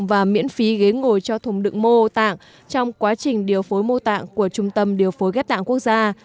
và miễn phí ghế ngồi cho thùng đựng mô tạng trong quá trình điều phối mô tạng của trung tâm điều phối ghép tạng quốc gia